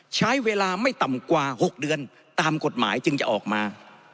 ใช้เวลาไม่ต่ำกว่า๖เดือนตามกฎหมายจึงจะออกมา